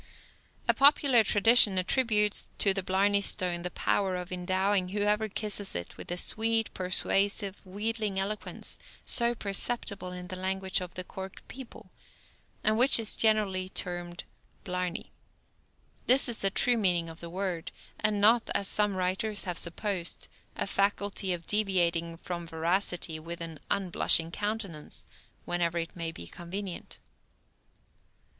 A popular tradition attributes to the Blarney Stone the power of endowing whoever kisses it with the sweet, persuasive, wheedling eloquence so perceptible in the language of the Cork people, and which is generally termed blarney. This is the true meaning of the word, and not, as some writers have supposed, a faculty of deviating from veracity with an unblushing countenance, whenever it may be convenient.